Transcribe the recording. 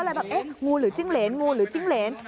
แบบเอ๊ะงูหรือจิ้งเหรนงูหรือจิ้งเหรน